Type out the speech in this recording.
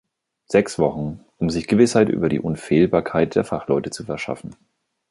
Sechs Wochen, um sich Gewissheit über die Unfehlbarkeit der Fachleute zu verschaffen!